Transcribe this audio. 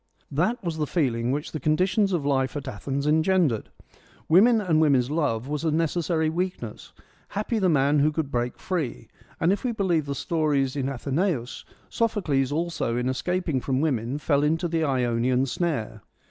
That was the feeling which the conditions of life at Athens engendered. Woman and woman's love was a necessary weakness : happy the man who could break free, and if we believe the stories in Athenaeus, Sophocles also in escaping from women fell into the Ionian snare.